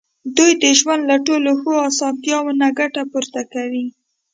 دوی د ژوند له ټولو ښو اسانتیاوو نه ګټه پورته کوي.